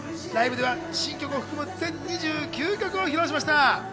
ライブでは新曲を含む全２９曲を披露しました。